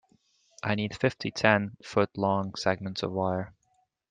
I need fifty ten-foot-long segments of wire.